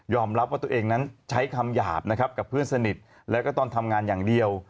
รับว่าตัวเองนั้นใช้คำหยาบนะครับกับเพื่อนสนิทแล้วก็ตอนทำงานอย่างเดียว